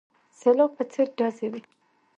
سلاب په څېر ډزې وې.